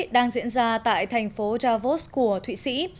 đang diễn ra tại thành phố davos của thụy sĩ